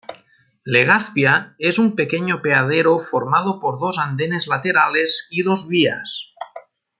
Legazpia es un pequeño apeadero formado por dos andenes laterales y dos vías.